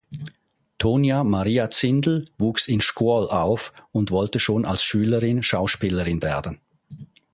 Tonia Maria Zindel wuchs in Scuol auf und wollte schon als Schülerin Schauspielerin werden.